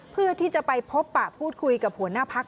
เพื่อที่จะไปพบปะพูดคุยกับหัวหน้าพัก